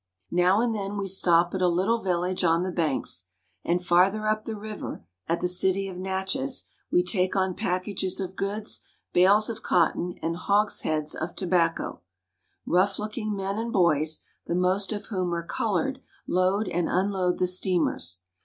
Now and then we stop at a little village on the banks; and farther up the river, at the city of Natchez, we take on packages of goods, bales of cotton, and hogsheads of tobacco. Rough looking men and boys, the most of whom are colored, load and unload the steamers.